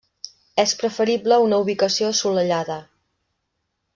És preferible una ubicació assolellada.